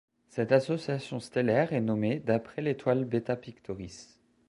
Cette association stellaire est nommée d'après l'étoile Beta Pictoris.